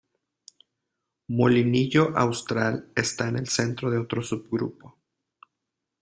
Molinillo Austral está en el centro de otro subgrupo.